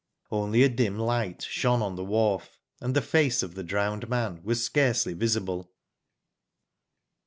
Only a dim light shone on the wharf, and the face of the drowned man was scarcely visible.